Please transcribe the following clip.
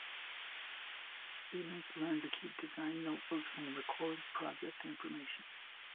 Students learn to keep design notebooks and record project information.